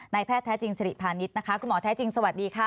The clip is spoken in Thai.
แพทย์แท้จริงสิริพาณิชย์นะคะคุณหมอแท้จริงสวัสดีค่ะ